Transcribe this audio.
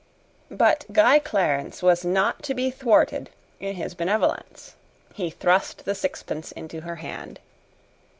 But Guy Clarence was not to be thwarted in his benevolence. He thrust the sixpence into her hand.